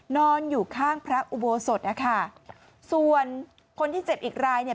นอนอยู่ข้างพระอุโบสถนะคะส่วนคนที่เจ็บอีกรายเนี่ย